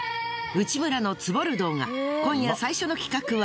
『内村のツボる動画』今夜最初の企画は。